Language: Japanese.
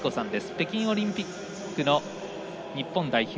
北京オリンピックの日本代表。